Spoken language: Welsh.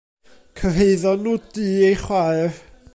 Cyrhaeddon nhw dŷ ei chwaer.